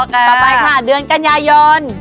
ต่อไปค่ะเดือนกันยายน